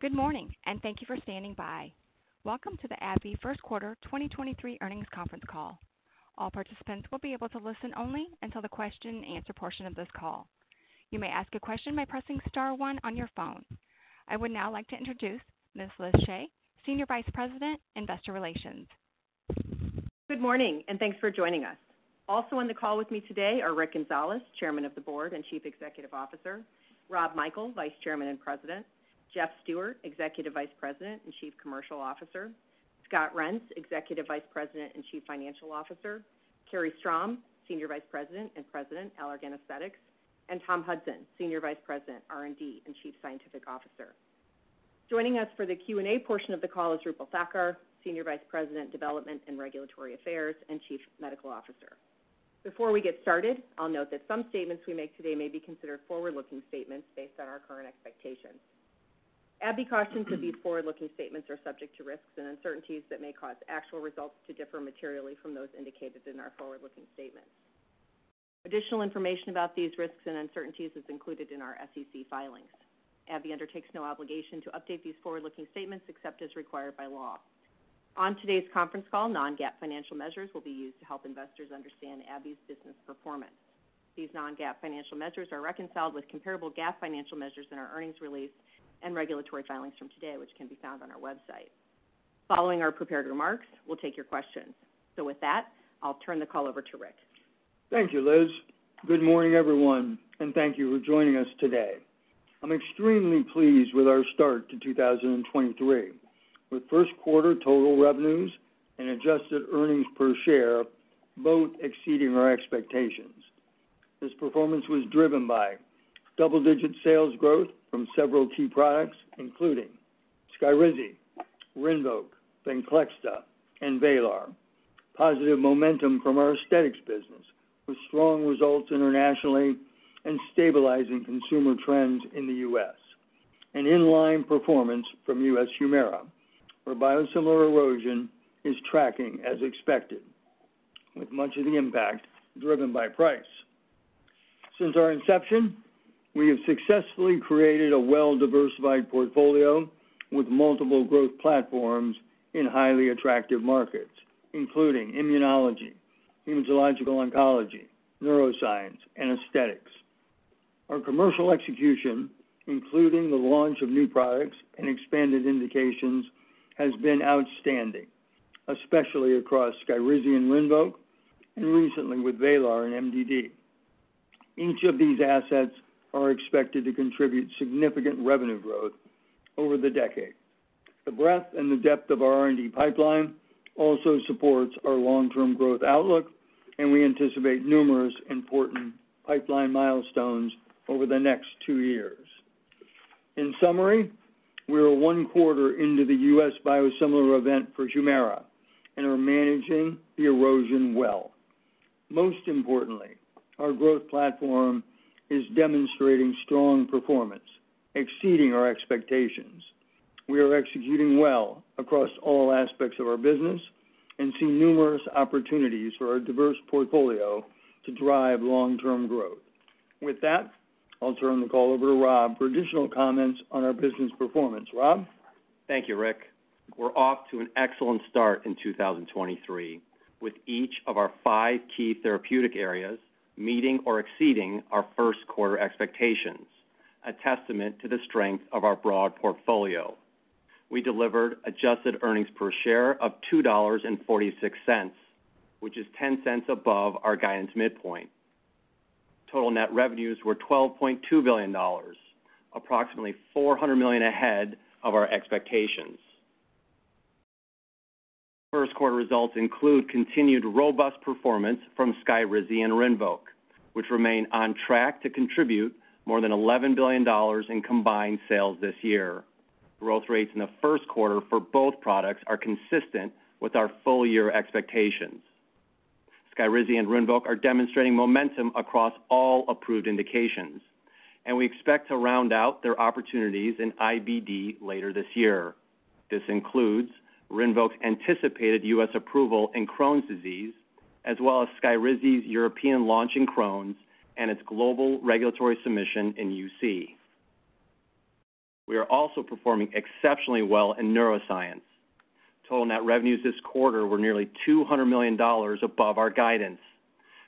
Good morning, thank you for standing by. Welcome to the AbbVie First Quarter 2023 Earnings Conference Call. All participants will be able to listen only until the question-and-answer portion of this call. You may ask a question by pressing star one on your phone. I would now like to introduce Ms. Liz Shea, Senior Vice President, Investor Relations. Good morning, thanks for joining us. Also on the call with me today are Rick Gonzalez, Chairman of the Board and Chief Executive Officer, Rob Michael, Vice Chairman and President, Jeff Stewart, Executive Vice President and Chief Commercial Officer, Scott Reents, Executive Vice President and Chief Financial Officer, Carrie Strom, Senior Vice President and President, Allergan Aesthetics, and Tom Hudson, Senior Vice President, R&D, and Chief Scientific Officer. Joining us for the Q&A portion of the call is Roopal Thakkar, Senior Vice President, Development and Regulatory Affairs and Chief Medical Officer. Before we get started, I'll note that some statements we make today may be considered forward-looking statements based on our current expectations. AbbVie cautions that these forward-looking statements are subject to risks and uncertainties that may cause actual results to differ materially from those indicated in our forward-looking statements. Additional information about these risks and uncertainties is included in our SEC filings. AbbVie undertakes no obligation to update these forward-looking statements except as required by law. On today's conference call, non-GAAP financial measures will be used to help investors understand AbbVie's business performance. These non-GAAP financial measures are reconciled with comparable GAAP financial measures in our earnings release and regulatory filings from today, which can be found on our website. Following our prepared remarks, we'll take your questions. With that, I'll turn the call over to Rick. Thank you, Liz. Good morning, everyone, and thank you for joining us today. I'm extremely pleased with our start to 2023, with first quarter total revenues and adjusted earnings per share both exceeding our expectations. This performance was driven by double-digit sales growth from several key products, including SKYRIZI, RINVOQ, VENCLEXTA, and VRAYLAR, positive momentum from our aesthetics business with strong results internationally and stabilizing consumer trends in the U.S., an in-line performance from U.S. HUMIRA, where biosimilar erosion is tracking as expected, with much of the impact driven by price. Since our inception, we have successfully created a well-diversified portfolio with multiple growth platforms in highly attractive markets, including immunology, Hematological oncology, neuroscience, and aesthetics. Our commercial execution, including the launch of new products and expanded indications, has been outstanding, especially across SKYRIZI and RINVOQ and recently with VRAYLAR and MDD. Each of these assets are expected to contribute significant revenue growth over the decade. The breadth and the depth of our R&D pipeline also supports our long-term growth outlook, and we anticipate numerous important pipeline milestones over the next two years. In summary, we are one quarter into the U.S. biosimilar event for HUMIRA and are managing the erosion well. Most importantly, our growth platform is demonstrating strong performance, exceeding our expectations. We are executing well across all aspects of our business and see numerous opportunities for our diverse portfolio to drive long-term growth. With that, I'll turn the call over to Rob for additional comments on our business performance. Rob? Thank you, Rick. We're off to an excellent start in 2023, with each of our five key therapeutic areas meeting or exceeding our first quarter expectations, a testament to the strength of our broad portfolio. We delivered adjusted earnings per share of $2.46, which is $0.10 above our guidance midpoint. Total net revenues were $12.2 billion, approximately $400 million ahead of our expectations. First quarter results include continued robust performance from SKYRIZI and RINVOQ, which remain on track to contribute more than $11 billion in combined sales this year. Growth rates in the first quarter for both products are consistent with our full year expectations. SKYRIZI and RINVOQ are demonstrating momentum across all approved indications, we expect to round out their opportunities in IBD later this year. This includes RINVOQ's anticipated U.S. approval in Crohn's disease, as well as SKYRIZI's European launch in Crohn's and its global regulatory submission in UC. We are also performing exceptionally well in Neuroscience. Total net revenues this quarter were nearly $200 million above our guidance,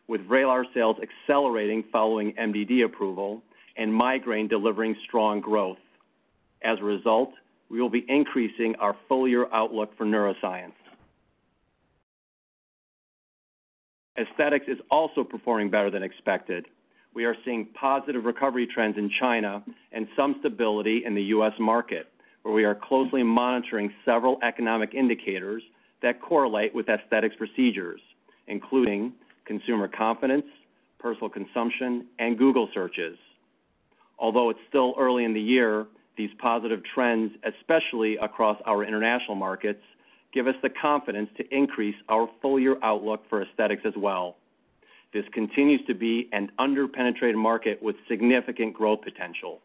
with VRAYLAR sales accelerating following MDD approval and migraine delivering strong growth. We will be increasing our full year outlook for Neuroscience. Aesthetics is also performing better than expected. We are seeing positive recovery trends in China and some stability in the U.S. market, where we are closely monitoring several economic indicators that correlate with aesthetics procedures, including consumer confidence, personal consumption, and Google searches. It's still early in the year, these positive trends, especially across our international markets, give us the confidence to increase our full year outlook for Aesthetics as well. This continues to be an under-penetrated market with significant growth potential.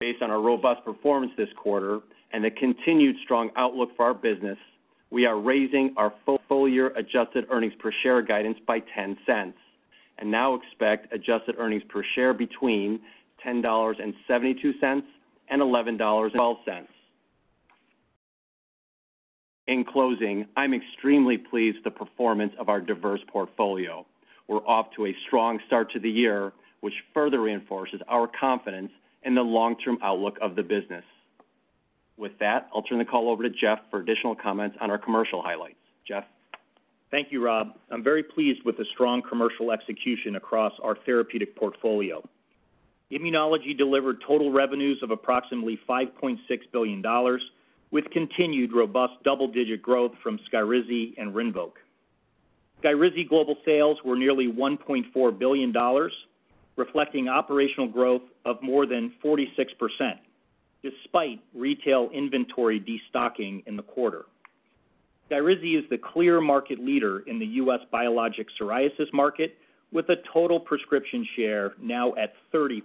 Based on our robust performance this quarter and the continued strong outlook for our business, we are raising our full year adjusted earnings per share guidance by $0.10. Now expect adjusted earnings per share between $10.72 and $11.12. In closing, I'm extremely pleased with the performance of our diverse portfolio. We're off to a strong start to the year, which further reinforces our confidence in the long-term outlook of the business. With that, I'll turn the call over to Jeff for additional comments on our commercial highlights. Jeff? Thank you, Rob. I'm very pleased with the strong commercial execution across our therapeutic portfolio. Immunology delivered total revenues of approximately $5.6 billion, with continued robust double-digit growth from SKYRIZI and RINVOQ. SKYRIZI global sales were nearly $1.4 billion, reflecting operational growth of more than 46%, despite retail inventory destocking in the quarter. SKYRIZI is the clear market leader in the U.S. biologic psoriasis market, with a total prescription share now at 30%.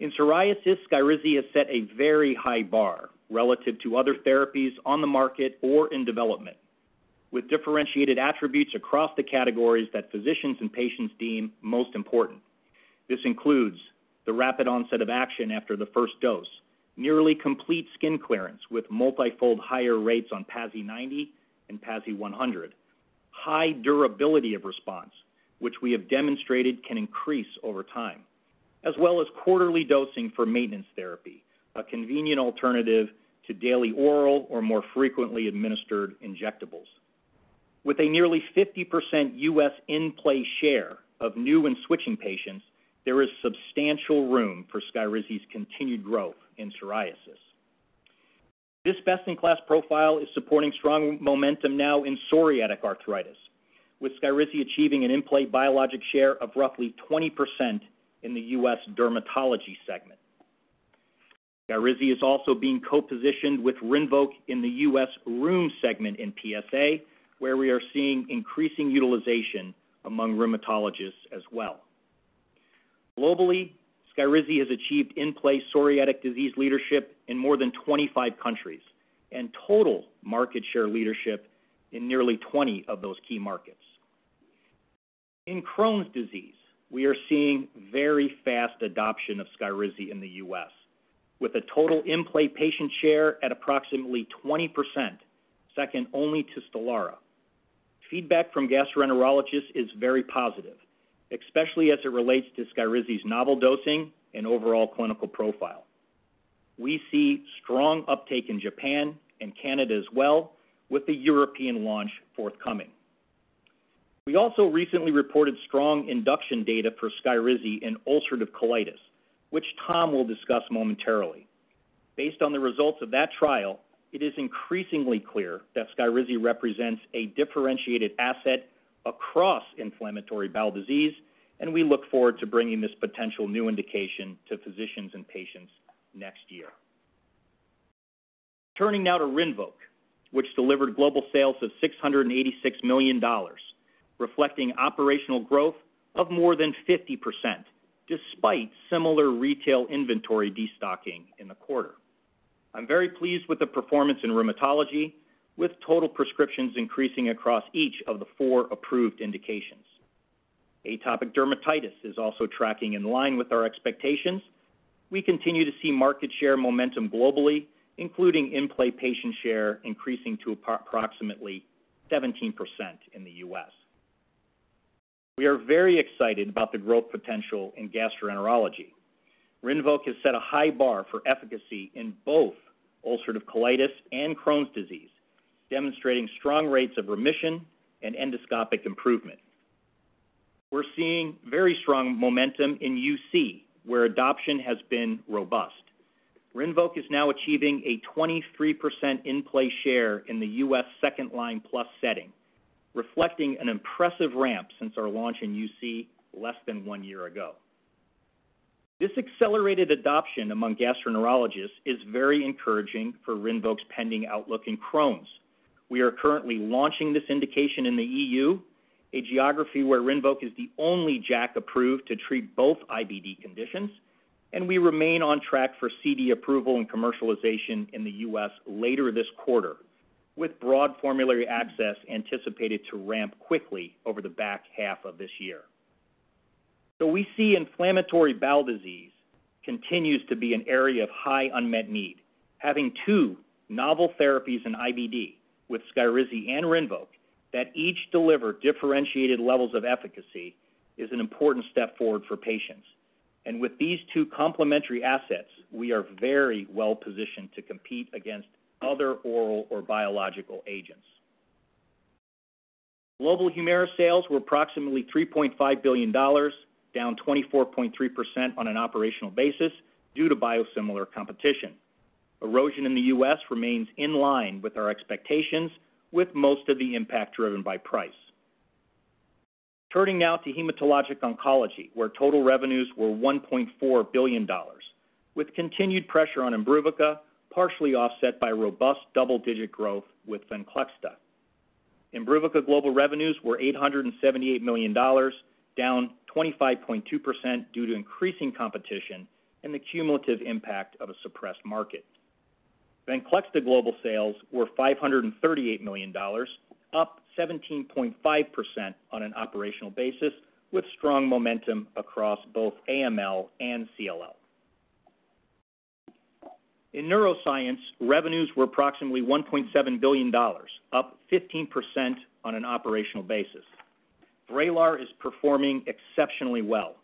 In psoriasis, SKYRIZI has set a very high bar relative to other therapies on the market or in development, with differentiated attributes across the categories that physicians and patients deem most important. This includes the rapid onset of action after the first dose, nearly complete skin clearance with multi-fold higher rates on PASI 90 and PASI 100, high durability of response, which we have demonstrated can increase over time, as well as quarterly dosing for maintenance therapy, a convenient alternative to daily oral or more frequently administered injectables. With a nearly 50% U.S. in-play share of new and switching patients, there is substantial room for SKYRIZI's continued growth in psoriasis. This best-in-class profile is supporting strong momentum now in psoriatic arthritis, with SKYRIZI achieving an in-play biologic share of roughly 20% in the U.S. dermatology segment. SKYRIZI is also being co-positioned with RINVOQ in the U.S. rheum segment in PSA, where we are seeing increasing utilization among rheumatologists as well. Globally, SKYRIZI has achieved in-place psoriatic disease leadership in more than 25 countries and total market share leadership in nearly 20 of those key markets. In Crohn's disease, we are seeing very fast adoption of SKYRIZI in the U.S., with a total in-play patient share at approximately 20%, second only to STELARA. Feedback from gastroenterologists is very positive, especially as it relates to SKYRIZI's novel dosing and overall clinical profile. We see strong uptake in Japan and Canada as well, with the European launch forthcoming. We also recently reported strong induction data for SKYRIZI in ulcerative colitis, which Tom will discuss momentarily. Based on the results of that trial, it is increasingly clear that SKYRIZI represents a differentiated asset across inflammatory bowel disease, and we look forward to bringing this potential new indication to physicians and patients next year. Turning now to RINVOQ, which delivered global sales of $686 million, reflecting operational growth of more than 50%, despite similar retail inventory destocking in the quarter. I'm very pleased with the performance in rheumatology, with total prescriptions increasing across each of the four approved indications. atopic dermatitis is also tracking in line with our expectations. We continue to see market share momentum globally, including in-play patient share increasing to approximately 17% in the U.S. We are very excited about the growth potential in gastroenterology. RINVOQ has set a high bar for efficacy in both ulcerative colitis and Crohn's disease, demonstrating strong rates of remission and endoscopic improvement. We're seeing very strong momentum in UC, where adoption has been robust. RINVOQ is now achieving a 23% in-play share in the U.S. second-line plus setting, reflecting an impressive ramp since our launch in UC less than one year ago. This accelerated adoption among gastroenterologists is very encouraging for RINVOQ's pending outlook in Crohn's. We are currently launching this indication in the EU, a geography where RINVOQ is the only JAK approved to treat both IBD conditions, and we remain on track for CD approval and commercialization in the U.S. later this quarter, with broad formulary access anticipated to ramp quickly over the back half of this year. We see inflammatory bowel disease continues to be an area of high unmet need. Having two novel therapies in IBD with SKYRIZI and RINVOQ that each deliver differentiated levels of efficacy is an important step forward for patients. With these two complementary assets, we are very well positioned to compete against other oral or biological agents. Global HUMIRA sales were approximately $3.5 billion, down 24.3% on an operational basis due to biosimilar competition. Erosion in the U.S. remains in line with our expectations, with most of the impact driven by price. Turning now to hematologic oncology, where total revenues were $1.4 billion, with continued pressure on IMBRUVICA, partially offset by robust double-digit growth with VENCLEXTA. IMBRUVICA global revenues were $878 million, down 25.2% due to increasing competition and the cumulative impact of a suppressed market. VENCLEXTA global sales were $538 million, up 17.5% on an operational basis, with strong momentum across both AML and CLL. In neuroscience, revenues were approximately $1.7 billion, up 15% on an operational basis. VRAYLAR is performing exceptionally well.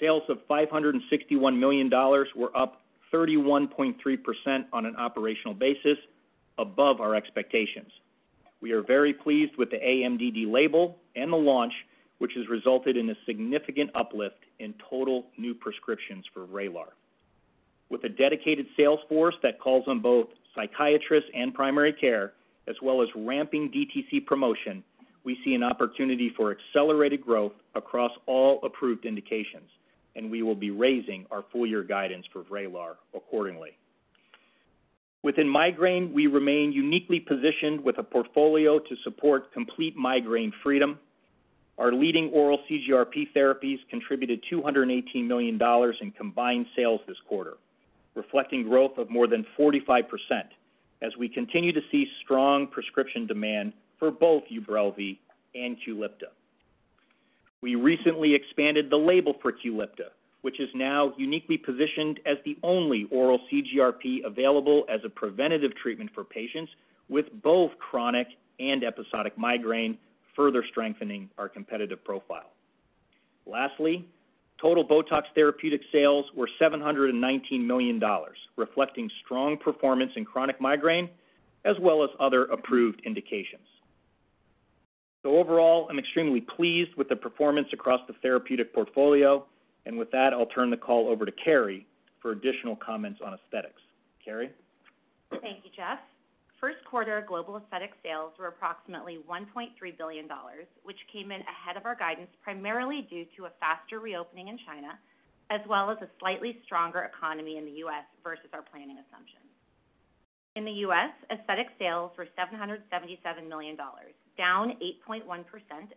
Sales of $561 million were up 31.3% on an operational basis above our expectations. We are very pleased with the AMDD label and the launch, which has resulted in a significant uplift in total new prescriptions for VRAYLAR. With a dedicated sales force that calls on both psychiatrists and primary care, as well as ramping DTC promotion, we see an opportunity for accelerated growth across all approved indications, we will be raising our full year guidance for VRAYLAR accordingly. Within migraine, we remain uniquely positioned with a portfolio to support complete migraine freedom. Our leading oral CGRP therapies contributed $218 million in combined sales this quarter, reflecting growth of more than 45% as we continue to see strong prescription demand for both UBRELVY and QULIPTA. We recently expanded the label for QULIPTA, which is now uniquely positioned as the only oral CGRP available as a preventative treatment for patients with both chronic and episodic migraine, further strengthening our competitive profile. Total BOTOX therapeutic sales were $719 million, reflecting strong performance in chronic migraine as well as other approved indications. Overall, I'm extremely pleased with the performance across the therapeutic portfolio, and with that, I'll turn the call over to Carrie for additional comments on aesthetics. Carrie? Thank you, Jeff Stewart. First quarter global aesthetic sales were approximately $1.3 billion, which came in ahead of our guidance primarily due to a faster reopening in China as well as a slightly stronger economy in the U.S. versus our planning assumptions. In the U.S., aesthetic sales were $777 million, down 8.1%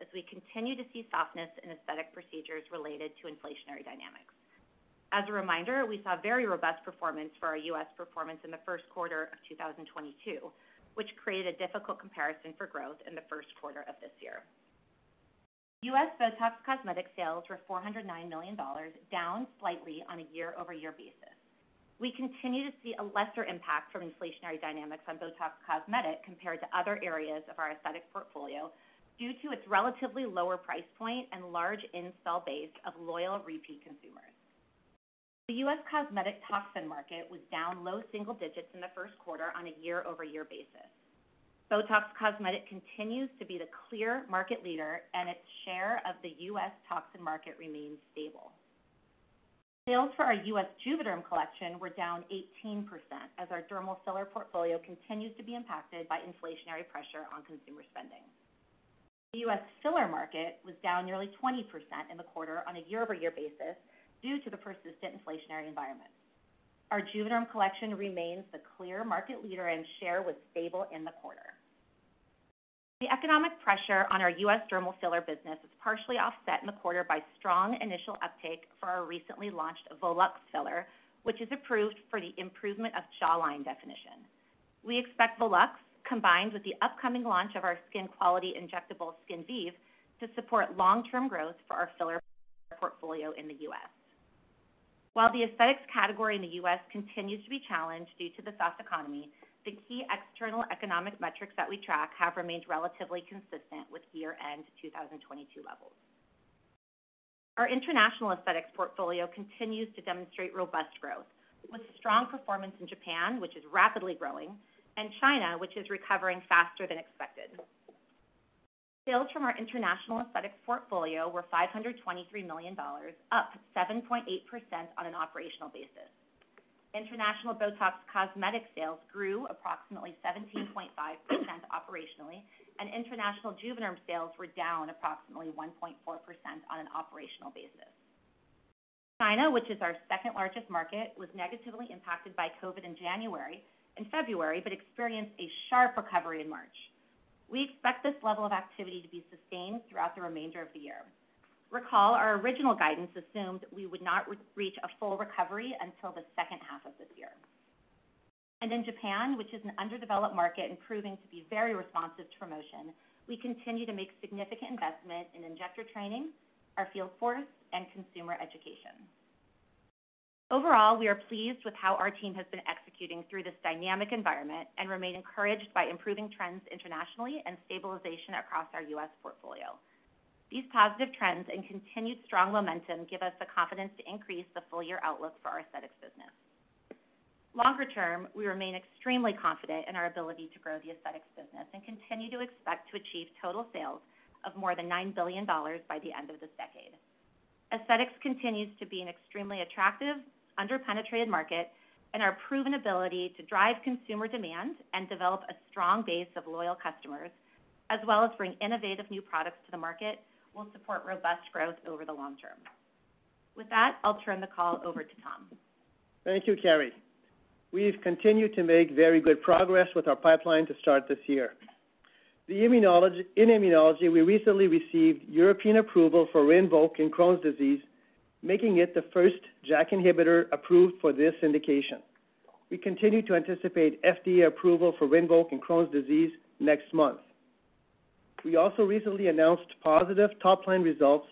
as we continue to see softness in aesthetic procedures related to inflationary dynamics. As a reminder, we saw very robust performance for our U.S. performance in the first quarter of 2022, which created a difficult comparison for growth in the first quarter of this year. U.S. BOTOX Cosmetic sales were $409 million, down slightly on a year-over-year basis. We continue to see a lesser impact from inflationary dynamics on BOTOX Cosmetic compared to other areas of our aesthetic portfolio due to its relatively lower price point and large installed base of loyal repeat consumers. The U.S. cosmetic toxin market was down low single digits in the first quarter on a year-over-year basis. BOTOX Cosmetic continues to be the clear market leader and its share of the U.S. toxin market remains stable. Sales for our U.S. JUVÉDERM collection were down 18% as our dermal filler portfolio continues to be impacted by inflationary pressure on consumer spending. The U.S. filler market was down nearly 20% in the quarter on a year-over-year basis due to the persistent inflationary environment. Our JUVÉDERM collection remains the clear market leader and share was stable in the quarter. The economic pressure on our U.S. dermal filler business is partially offset in the quarter by strong initial uptake for our recently launched Volux filler, which is approved for the improvement of jawline definition. We expect Volux, combined with the upcoming launch of our skin quality injectable SKINVIVE, to support long-term growth for our filler portfolio in the U.S. While the aesthetics category in the U.S. continues to be challenged due to the soft economy, the key external economic metrics that we track have remained relatively consistent with year-end 2022 levels. Our international aesthetics portfolio continues to demonstrate robust growth with strong performance in Japan, which is rapidly growing, and China, which is recovering faster than expected. Sales from our international aesthetics portfolio were $523 million, up 7.8% on an operational basis. International BOTOX Cosmetic sales grew approximately 17.5% operationally, and international JUVÉDERM sales were down approximately 1.4% on an operational basis. China, which is our second-largest market, was negatively impacted by Covid in January and February, but experienced a sharp recovery in March. We expect this level of activity to be sustained throughout the remainder of the year. Recall, our original guidance assumed we would not reach a full recovery until the second half of this year. In Japan, which is an underdeveloped market and proving to be very responsive to promotion, we continue to make significant investment in injector training, our field force, and consumer education. Overall, we are pleased with how our team has been executing through this dynamic environment and remain encouraged by improving trends internationally and stabilization across our U.S. portfolio. These positive trends and continued strong momentum give us the confidence to increase the full year outlook for our Aesthetics business. Longer term, we remain extremely confident in our ability to grow the Aesthetics business and continue to expect to achieve total sales of more than $9 billion by the end of this decade. Aesthetics continues to be an extremely attractive, under-penetrated market, our proven ability to drive consumer demand and develop a strong base of loyal customers, as well as bring innovative new products to the market, will support robust growth over the long term. With that, I'll turn the call over to Tom. Thank you, Carrie. We've continued to make very good progress with our pipeline to start this year. In immunology, we recently received European approval for RINVOQ in Crohn's disease, making it the first JAK inhibitor approved for this indication. We continue to anticipate FDA approval for RINVOQ in Crohn's disease next month. We also recently announced positive top-line results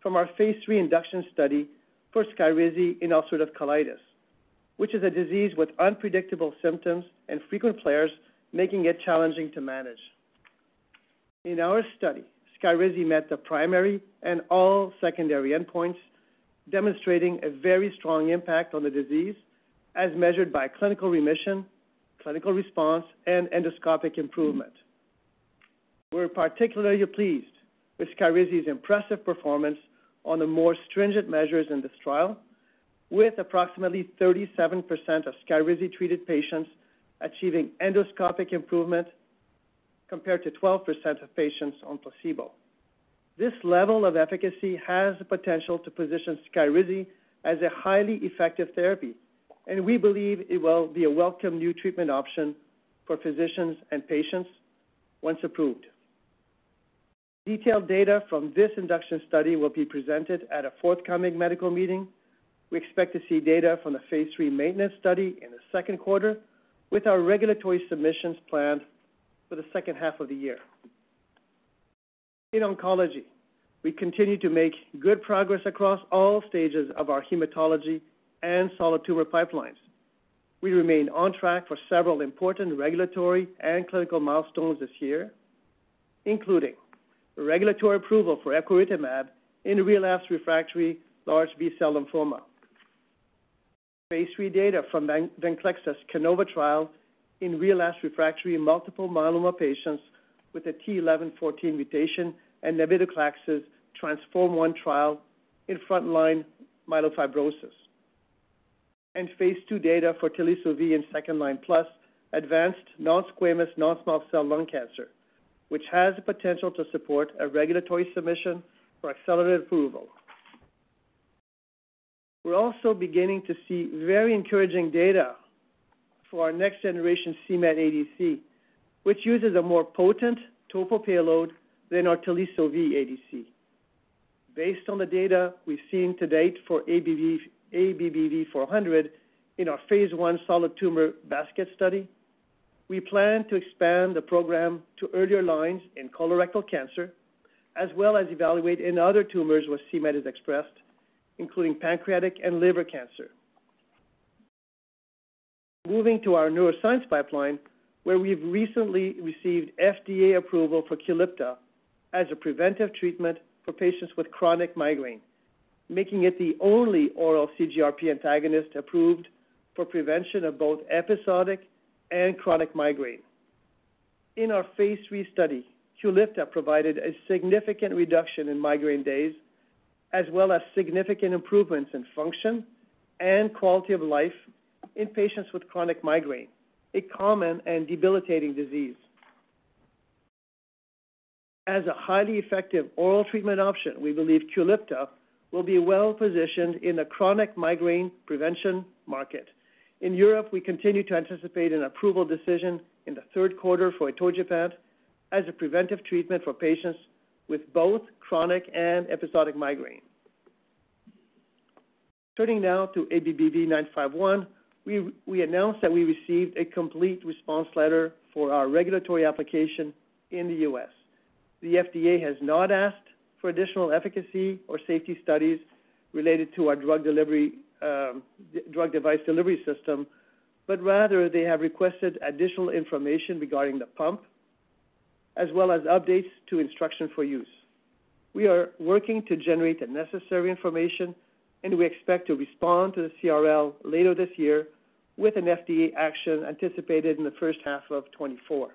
from our Phase III induction study for SKYRIZI in ulcerative colitis, which is a disease with unpredictable symptoms and frequent flares, making it challenging to manage. In our study, SKYRIZI met the primary and all secondary endpoints, demonstrating a very strong impact on the disease as measured by clinical remission, clinical response, and endoscopic improvement. We're particularly pleased with SKYRIZI's impressive performance on the more stringent measures in this trial, with approximately 37% of SKYRIZI-treated patients achieving endoscopic improvement, compared to 12% of patients on placebo. This level of efficacy has the potential to position SKYRIZI as a highly effective therapy, and we believe it will be a welcome new treatment option for physicians and patients once approved. Detailed data from this induction study will be presented at a forthcoming medical meeting. We expect to see data from the Phase III maintenance study in the second quarter, with our regulatory submissions planned for the second half of the year. In oncology, we continue to make good progress across all stages of our hematology and solid tumor pipelines. We remain on track for several important regulatory and clinical milestones this year, including regulatory approval for epcoritamab in relapsed/refractory large B-cell lymphoma. Phase III data from VENCLEXTA's CANOVA trial in relapsed/refractory multiple myeloma patients with a t(11;14) mutation and navitoclax's TRANSFORM-1 trial in front-line myelofibrosis. Phase II data for Teliso-V in second-line-plus advanced non-squamous non-small cell lung cancer, which has the potential to support a regulatory submission for accelerated approval. We're also beginning to see very encouraging data for our next-generation c-Met ADC, which uses a more potent topo payload than our Teliso-V ADC. Based on the data we've seen to date for ABBV-400 in our Phase I solid tumor basket study, we plan to expand the program to earlier lines in colorectal cancer as well as evaluate in other tumors where c-Met is expressed, including pancreatic and liver cancer. Moving to our neuroscience pipeline, where we've recently received FDA approval for QULIPTA as a preventive treatment for patients with chronic migraine, making it the only oral CGRP antagonist approved for prevention of both episodic and chronic migraine. In our Phase III study, QULIPTA provided a significant reduction in migraine days as well as significant improvements in function and quality of life in patients with chronic migraine, a common and debilitating disease. As a highly effective oral treatment option, we believe QULIPTA will be well-positioned in the chronic migraine prevention market. In Europe, we continue to anticipate an approval decision in the third quarter for atogepant as a preventive treatment for patients with both chronic and episodic migraine. Turning now to ABBV-951, we announce that we received a complete response letter for our regulatory application in the U.S. The FDA has not asked for additional efficacy or safety studies related to our drug device delivery system, but rather they have requested additional information regarding the pump as well as updates to instruction for use. We are working to generate the necessary information. We expect to respond to the CRL later this year with an FDA action anticipated in the first half of 2024.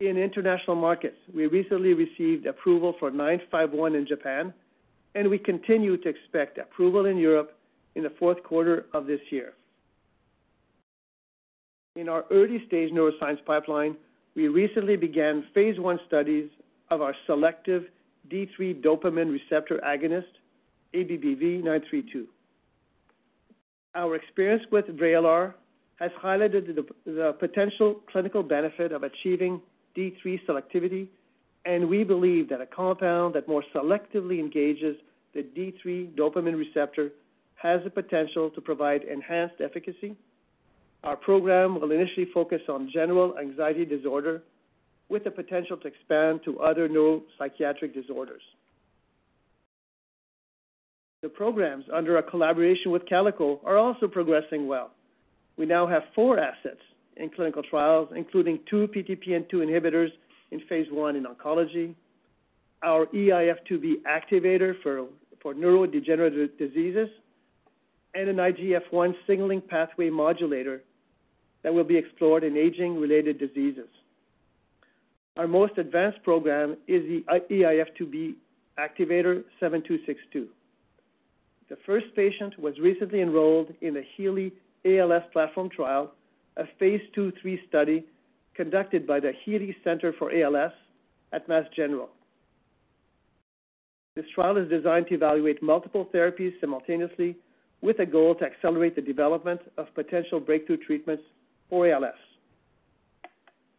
In international markets, we recently received approval for 951 in Japan. We continue to expect approval in Europe in the fourth quarter of this year. In our early-stage neuroscience pipeline, we recently began Phase I studies of our selective D3 dopamine receptor agonist, ABBV-932. Our experience with VRAYLAR has highlighted the potential clinical benefit of achieving D3 selectivity. We believe that a compound that more selectively engages the D3 dopamine receptor has the potential to provide enhanced efficacy. Our program will initially focus on generalized anxiety disorder with the potential to expand to other neuropsychiatric disorders. The programs under our collaboration with Calico are also progressing well. We now have four assets in clinical trials, including 2 PTPN2 inhibitors in Phase I in oncology, our eIF2B activator for neurodegenerative diseases, and an IGF-1 signaling pathway modulator that will be explored in aging-related diseases. Our most advanced program is the eIF2B activator 7262. The first patient was recently enrolled in a HEALEY ALS Platform Trial, a Phase II /III study conducted by the Healey Center for ALS at Mass General. This trial is designed to evaluate multiple therapies simultaneously with a goal to accelerate the development of potential breakthrough treatments for ALS.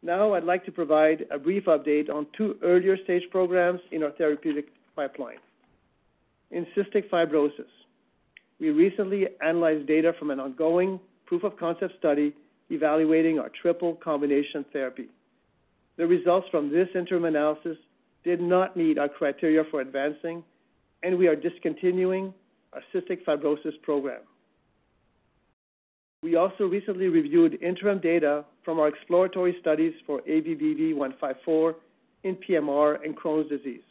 I'd like to provide a brief update on two earlier stage programs in our therapeutic pipeline. In cystic fibrosis, we recently analyzed data from an ongoing proof of concept study evaluating our triple combination therapy. The results from this interim analysis did not meet our criteria for advancing, we are discontinuing our cystic fibrosis program. We also recently reviewed interim data from our exploratory studies for ABBV-154 in PMR and Crohn's disease.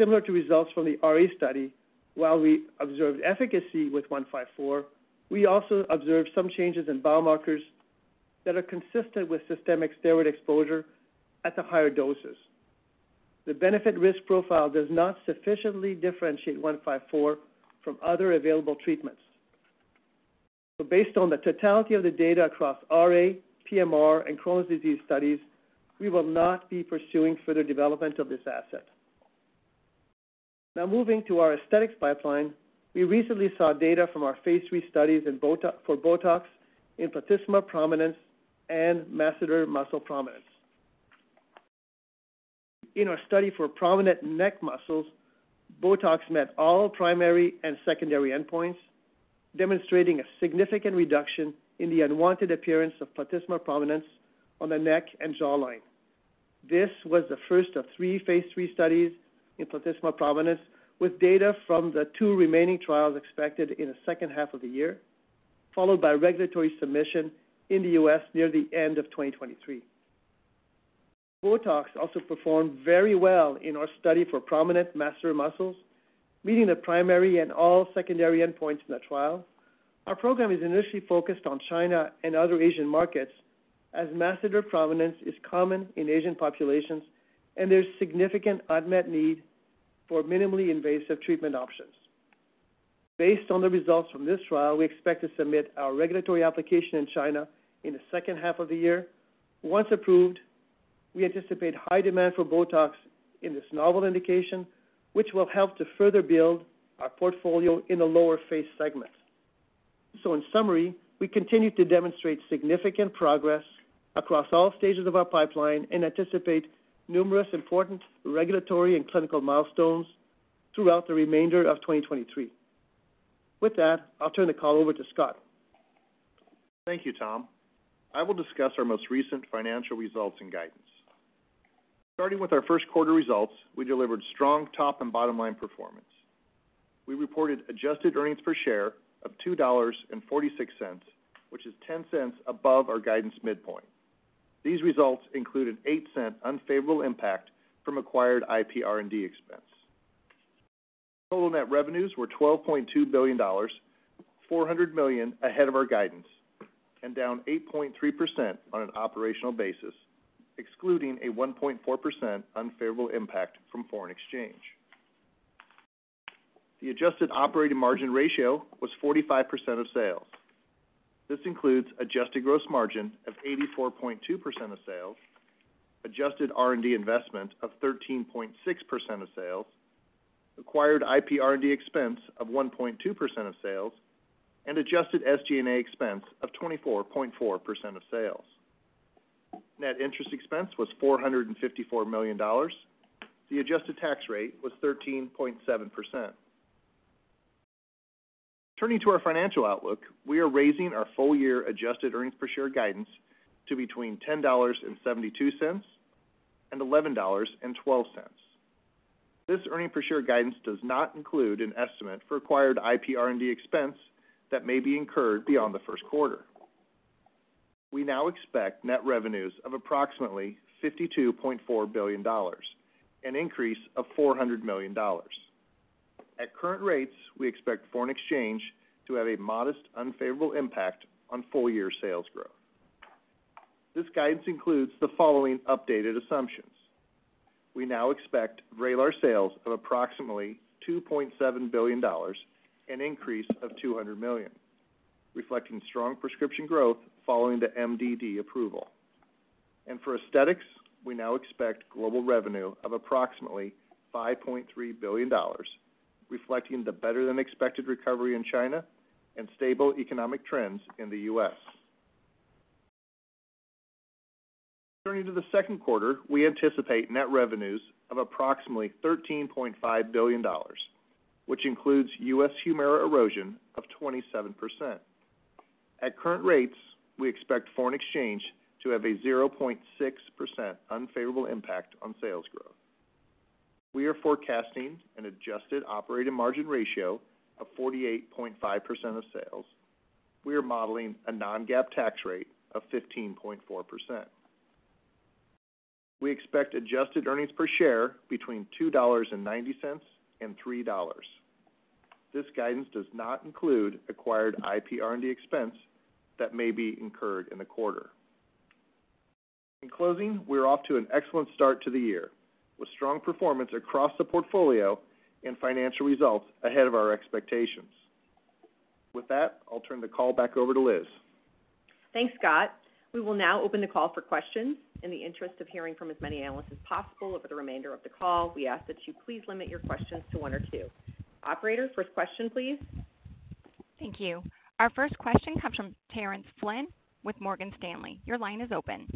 Similar to results from the RA study, while we observed efficacy with 154, we also observed some changes in biomarkers that are consistent with systemic steroid exposure at the higher doses. The benefit risk profile does not sufficiently differentiate 154 from other available treatments. Based on the totality of the data across RA, PMR, and Crohn's disease studies, we will not be pursuing further development of this asset. Now moving to our aesthetics pipeline, we recently saw data from our Phase III studies for BOTOX in platysma prominence and masseter muscle prominence. In our study for prominent neck muscles, BOTOX met all primary and secondary endpoints, demonstrating a significant reduction in the unwanted appearance of platysma prominence on the neck and jawline. This was the first of three Phase III studies in platysma prominence, with data from the two remaining trials expected in the second half of the year, followed by regulatory submission in the U.S. near the end of 2023. BOTOX also performed very well in our study for prominent masseter muscles, meeting the primary and all secondary endpoints in the trial. Our program is initially focused on China and other Asian markets, as masseter prominence is common in Asian populations, and there's significant unmet need for minimally invasive treatment options. Based on the results from this trial, we expect to submit our regulatory application in China in the second half of the year. Once approved, we anticipate high demand for BOTOX in this novel indication, which will help to further build our portfolio in the lower face segments. In summary, we continue to demonstrate significant progress across all stages of our pipeline and anticipate numerous important regulatory and clinical milestones throughout the remainder of 2023. With that, I'll turn the call over to Scott. Thank you, Tom. I will discuss our most recent financial results and guidance. Starting with our first quarter results, we delivered strong top and bottom line performance. We reported adjusted earnings per share of $2.46, which is $0.10 above our guidance midpoint. These results include an $0.08 unfavorable impact from acquired IP R&D expense. Total net revenues were $12.2 billion, $400 million ahead of our guidance, and down 8.3% on an operational basis, excluding a 1.4% unfavorable impact from foreign exchange. The adjusted operating margin ratio was 45% of sales. This includes adjusted gross margin of 84.2% of sales, adjusted R&D investment of 13.6% of sales, acquired IP R&D expense of 1.2% of sales. Adjusted SG&A expense of 24.4% of sales. Net interest expense was $454 million. The adjusted tax rate was 13.7%. Turning to our financial outlook, we are raising our full year adjusted earnings per share guidance to between $10.72 and $11.12. This earning per share guidance does not include an estimate for acquired IP R&D expense that may be incurred beyond the first quarter. We now expect net revenues of approximately $52.4 billion, an increase of $400 million. At current rates, we expect foreign exchange to have a modest unfavorable impact on full year sales growth. This guidance includes the following updated assumptions. We now expect VRAYLAR sales of approximately $2.7 billion, an increase of $200 million, reflecting strong prescription growth following the MDD approval. For aesthetics, we now expect global revenue of approximately $5.3 billion, reflecting the better than expected recovery in China and stable economic trends in the U.S. Turning to the second quarter, we anticipate net revenues of approximately $13.5 billion, which includes U.S. HUMIRA erosion of 27%. At current rates, we expect foreign exchange to have a 0.6% unfavorable impact on sales growth. We are forecasting an adjusted operating margin ratio of 48.5% of sales. We are modeling a non-GAAP tax rate of 15.4%. We expect adjusted earnings per share between $2.90 and $3.00. This guidance does not include acquired IP R&D expense that may be incurred in the quarter. In closing, we are off to an excellent start to the year, with strong performance across the portfolio and financial results ahead of our expectations. With that, I'll turn the call back over to Liz. Thanks, Scott. We will now open the call for questions. In the interest of hearing from as many analysts as possible over the remainder of the call, we ask that you please limit your questions to one or two. Operator, first question, please. Thank you. Our first question comes from Terence Flynn with Morgan Stanley. Your line is open.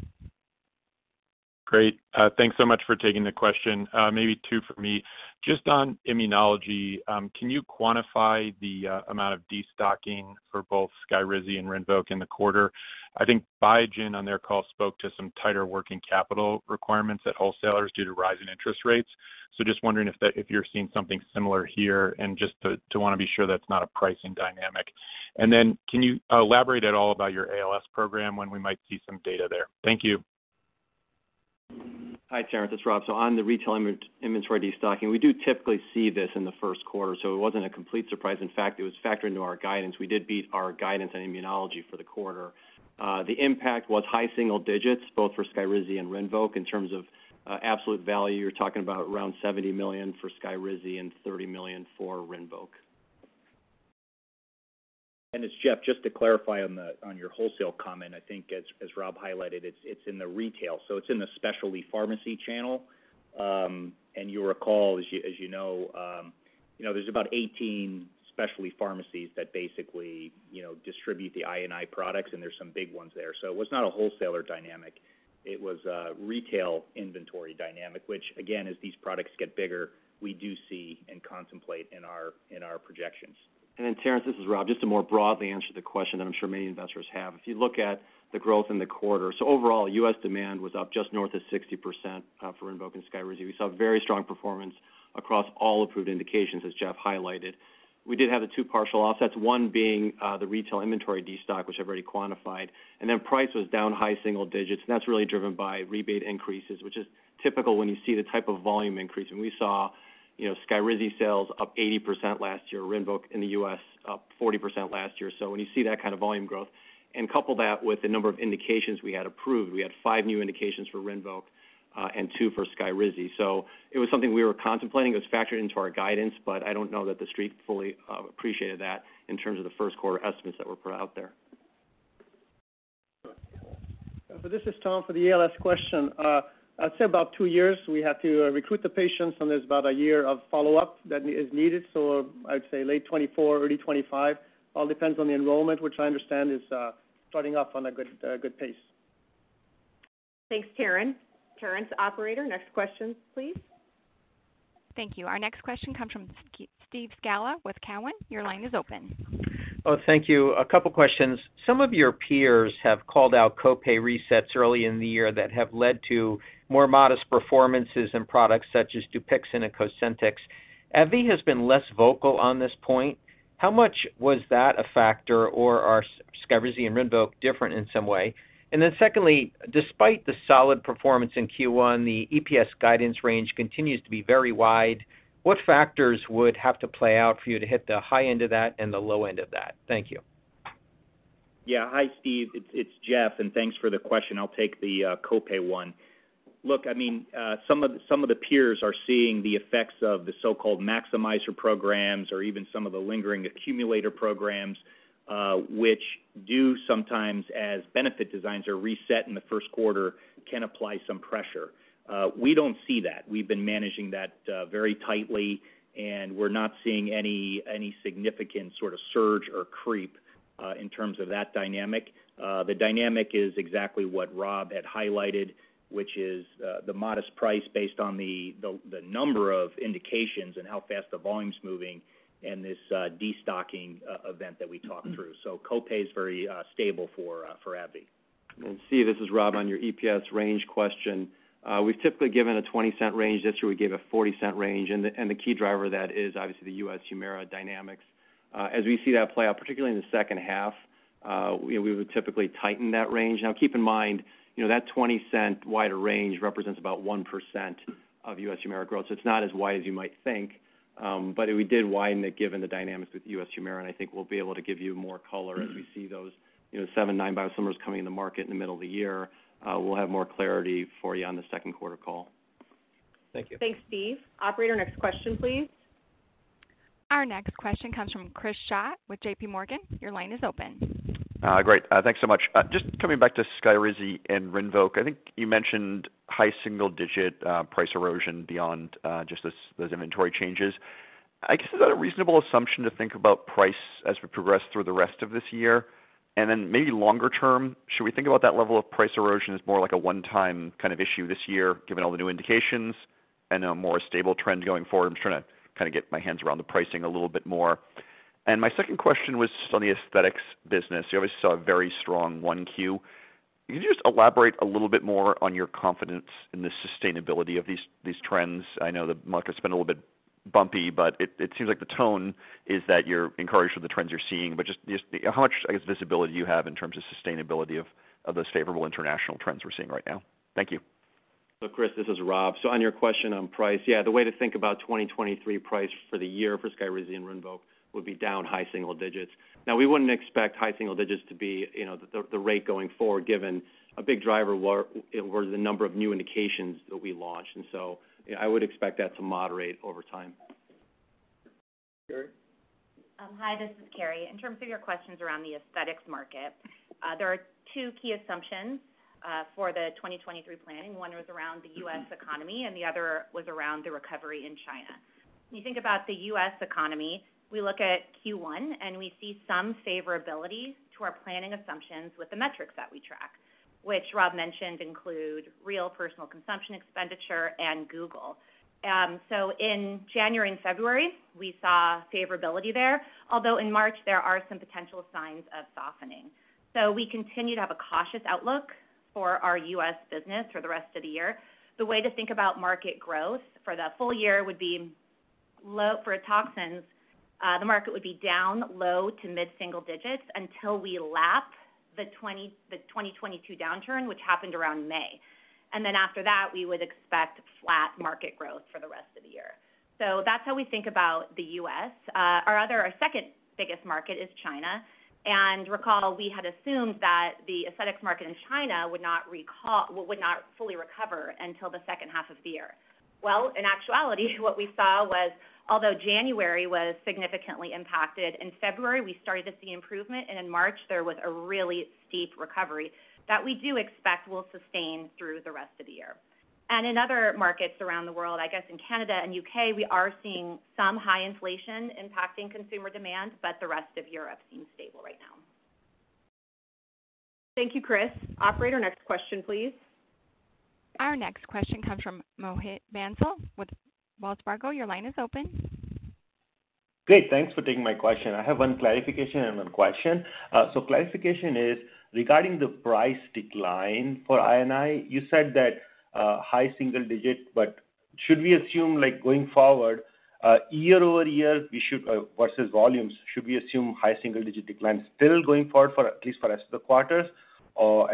Great. Thanks so much for taking the question. Maybe two for me. Just on immunology, can you quantify the amount of destocking for both SKYRIZI and RINVOQ in the quarter? I think Biogen on their call spoke to some tighter working capital requirements at wholesalers due to rising interest rates. Just wondering if you're seeing something similar here and just to wanna be sure that's not a pricing dynamic. Then can you elaborate at all about your ALS program when we might see some data there? Thank you. Hi, Terence. It's Rob. On the retail inventory destocking, we do typically see this in the first quarter, so it wasn't a complete surprise. In fact, it was factored into our guidance. We did beat our guidance in immunology for the quarter. The impact was high single digits, both for SKYRIZI and RINVOQ. In terms of absolute value, you're talking about around $70 million for SKYRIZI and $30 million for RINVOQ. It's Jeff. Just to clarify on your wholesale comment, I think as Rob highlighted, it's in the retail, so it's in the specialty pharmacy channel. You'll recall, as you know, there's about 18 specialty pharmacies that basically, you know, distribute the I&I products, and there's some big ones there. It was not a wholesaler dynamic. It was a retail inventory dynamic, which again, as these products get bigger, we do see and contemplate in our projections. Terence, this is Rob. Just to more broadly answer the question that I'm sure many investors have. If you look at the growth in the quarter, overall, U.S. demand was up just north of 60% for RINVOQ and SKYRIZI. We saw very strong performance across all approved indications, as Jeff highlighted. We did have the 2 partial offsets, one being the retail inventory destock, which I've already quantified. Price was down high single digits, and that's really driven by rebate increases, which is typical when you see the type of volume increase. We saw, you know, SKYRIZI sales up 80% last year, RINVOQ in the U.S. up 40% last year. When you see that kind of volume growth and couple that with the number of indications we had approved, we had five new indications for RINVOQ, and two for Skyrizi. It was something we were contemplating. It was factored into our guidance, but I don't know that the street fully appreciated that in terms of the first quarter estimates that were put out there. This is Tom. For the ALS question, I'd say about two years, we have to recruit the patients, and there's about a year of follow-up that is needed. I'd say late 2024, early 2025, all depends on the enrollment, which I understand is, starting off on a good pace. Thanks, Terence. Operator, next question, please. Thank you. Our next question comes from Steve Scala with Cowen. Your line is open. Thank you. A couple questions. Some of your peers have called out co-pay resets early in the year that have led to more modest performances in products such as DUPIXENT and COSENTYX. AbbVie has been less vocal on this point. How much was that a factor, or are SKYRIZI and RINVOQ different in some way? Secondly, despite the solid performance in Q1, the EPS guidance range continues to be very wide. What factors would have to play out for you to hit the high end of that and the low end of that? Thank you. Hi, Steve. It's Jeff, and thanks for the question. I'll take the co-pay one. Look, I mean, some of the peers are seeing the effects of the so-called maximizer programs or even some of the lingering accumulator programs, which do sometimes as benefit designs are reset in the first quarter, can apply some pressure. We don't see that. We've been managing that very tightly, and we're not seeing any significant sort of surge or creep in terms of that dynamic. The dynamic is exactly what Rob had highlighted, which is the modest price based on the number of indications and how fast the volume's moving and this destocking event that we talked through. Co-pay is very stable for AbbVie. Steve, this is Rob on your EPS range question. We've typically given a $0.20 range. This year, we gave a $0.40 range, and the key driver of that is obviously the U.S. HUMIRA dynamics. As we see that play out, particularly in the second half, we would typically tighten that range. Now keep in mind, you know, that $0.20 wider range represents about 1% of U.S. HUMIRA growth. It's not as wide as you might think, but we did widen it given the dynamics with U.S. HUMIRA, and I think we'll be able to give you more color as we see those, you know, 7, 9 biosimilars coming in the market in the middle of the year. We'll have more clarity for you on the second quarter call. Thank you. Thanks, Steve. Operator, next question, please. Our next question comes from Chris Schott with JPMorgan. Your line is open. Great. Thanks so much. Just coming back to SKYRIZI and RINVOQ, I think you mentioned high single-digit price erosion beyond just inventory changes. Is that a reasonable assumption to think about price as we progress through the rest of this year? Maybe longer term, should we think about that level of price erosion as more like a one-time kind of issue this year, given all the new indications and a more stable trend going forward? I'm just trying to kinda get my hands around the pricing a little bit more. My second question was on the aesthetics business. You obviously saw a very strong 1Q. Can you just elaborate a little bit more on your confidence in the sustainability of these trends? I know the market's been a little bit bumpy. It seems like the tone is that you're encouraged with the trends you're seeing. Just how much, I guess, visibility you have in terms of sustainability of those favorable international trends we're seeing right now? Thank you. Look, Chris, this is Rob. On your question on price, yeah, the way to think about 2023 price for the year for SKYRIZI and RINVOQ would be down high single digits. Now, we wouldn't expect high single digits to be, you know, the rate going forward given a big driver were the number of new indications that we launched. I would expect that to moderate over time. Hi, this is Carrie. In terms of your questions around the aesthetics market, there are two key assumptions for the 2023 planning. One was around the U.S. economy and the other was around the recovery in China. When you think about the U.S. economy, we look at Q1 and we see some favorability to our planning assumptions with the metrics that we track, which Rob mentioned include real personal consumption expenditure and Google. In January and February, we saw favorability there. In March there are some potential signs of softening. We continue to have a cautious outlook for our U.S. business for the rest of the year. The way to think about market growth for the full year would be low for toxins, the market would be down low to mid-single digits until we lap the 2022 downturn, which happened around May. After that, we would expect flat market growth for the rest of the year. That's how we think about the U.S. Our other, our second biggest market is China. Recall we had assumed that the aesthetics market in China would not fully recover until the second half of the year. In actuality, what we saw was, although January was significantly impacted, in February, we started to see improvement, and in March, there was a really steep recovery that we do expect will sustain through the rest of the year. In other markets around the world, I guess in Canada and U.K., we are seeing some high inflation impacting consumer demand, but the rest of Europe seems stable right now. Thank you, Chris. Operator, next question, please. Our next question comes from Mohit Bansal with Wells Fargo. Your line is open. Great. Thanks for taking my question. I have one clarification and one question. Clarification is regarding the price decline for I&I, you said that, high single-digit, but should we assume, like going forward, year-over-year, we should, versus volumes, should we assume high single-digit decline still going forward for at least for rest of the quarters,